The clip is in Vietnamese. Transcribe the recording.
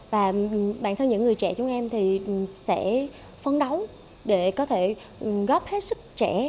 và bản thân những người trẻ chúng em thì sẽ phấn đấu để có thể góp hết sức trẻ